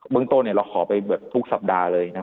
เมืองต้นเราขอไปแบบทุกสัปดาห์เลยนะ